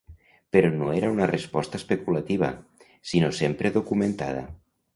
Però no era una resposta especulativa, sinó sempre documentada.